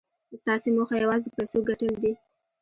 ستاسې موخه یوازې د پیسو ګټل دي